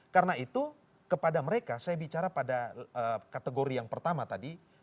karena itu kepada mereka saya bicara pada kategori yang pertama tadi